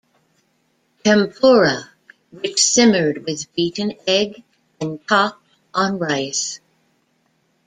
Tempura which simmered with beaten egg and topped on rice.